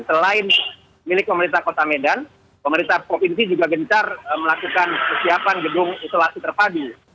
selain milik pemerintah kota medan pemerintah provinsi juga gencar melakukan persiapan gedung isolasi terpadu